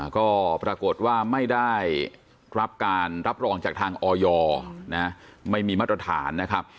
ก็ปรากฏว่าไม่ได้รับการรับรองจากทางออยไม่มีมาตรฐานนะครับ